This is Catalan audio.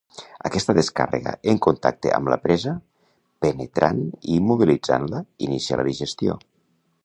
Aquesta descàrrega en contacte amb la presa, penetrant i immobilitzant-la, inicia la digestió.